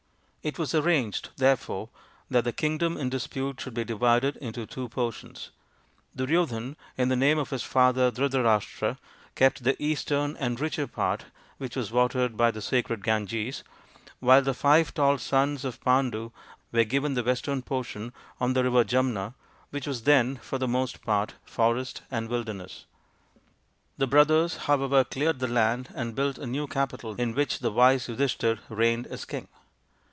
It was arranged, therefore, that the kingdom in dis pute should be divided into two portions, Duryo dhan, in the name of his father Dhrita rashtra, kept the eastern and richer part, which was watered by the sacred Ganges ; while the five tall sons of Pandu were given the western portion on the river Jumna, which was then, for the most part, forest and THE FIVE TALL SONS OF PANDU 83 wilderness. The brothers, however, cleared the land and built a new capital, in which the wise Yudhish thir reigned as king.